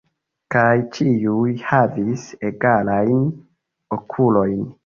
Kaj ĉiuj havis egalajn okulojn.